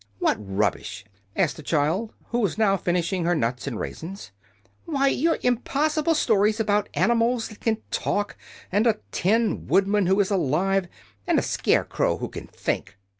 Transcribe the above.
"What rubbish?" asked the child, who was now finishing her nuts and raisins. "Why, your impossible stories about animals that can talk, and a tin woodman who is alive, and a scarecrow who can think."